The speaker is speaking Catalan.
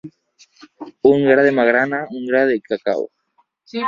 Un gra de magrana, un gra de cacau.